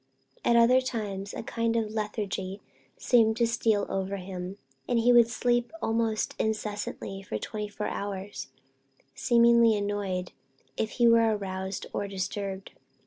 At other times a kind of lethargy seemed to steal over him, and he would sleep almost incessantly for twenty four hours, seeming annoyed if he were aroused or disturbed.